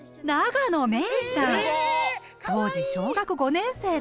当時小学５年生でした。